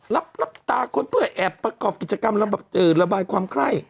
รับตาคนเพื่อแอบประกอบกิจกรรมระบายความไข้